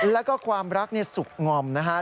แล้วก็ความรักเนี่ยสุขง่อมนะฮะ